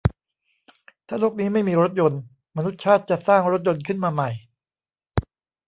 ถ้าโลกนี้ไม่มีรถยนต์ มนุษยชาติจะสร้างรถยนต์ขึ้นมาใหม่